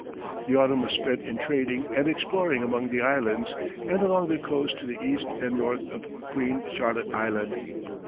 The autumn was spent in trading and exploring among the islands and along the coast to the east and north of Queen Charlotte Island.